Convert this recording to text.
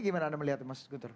gimana anda melihat mas guntur